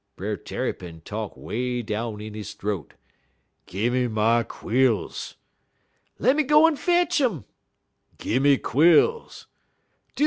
"Brer Tarrypin talk way down in his th'oat: "'Gim' my quills!' "'Lemme go en fetch um.' "'Gim'my quills!'